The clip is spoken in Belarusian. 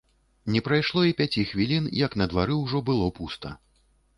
Не прайшло і пяці хвілін, як на двары ўжо было пуста.